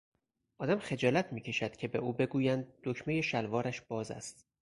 آدم خجالت میکشد که به او بگویند دکمهی شلوارش باز است.